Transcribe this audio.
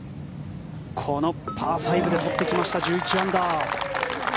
このパー５で取ってきました１１アンダー。